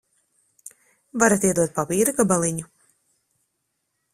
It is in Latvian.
Varat iedot papīra gabaliņu?